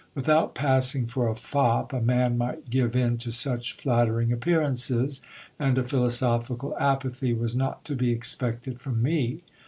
Without passing for a fop, a man might give in to such flattering appearances ; and a philosophical apathy was not to be expected from me.